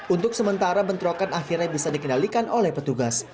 untuk sementara bentrokan akhirnya bisa dikendalikan oleh petugas